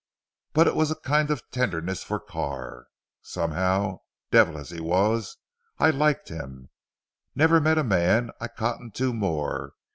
But it was a kind of tenderness for Carr. Somehow, devil as he was, I liked him. Never met a man I cottoned to more.